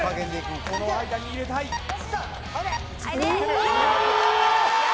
この間に入れたいおお！